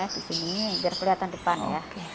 di sini biar kelihatan depan ya